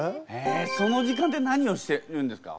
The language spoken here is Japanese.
その時間ってなにをしてるんですか？